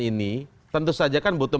ini tentu saja kan butuh